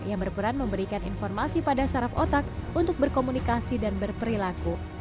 yang berperan memberikan informasi pada saraf otak untuk berkomunikasi dan berperilaku